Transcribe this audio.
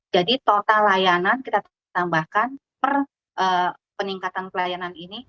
jadi total layanan kita tambahkan per peningkatan pelayanan ini